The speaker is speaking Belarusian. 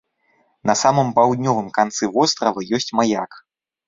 На самым паўднёвым канцы вострава ёсць маяк.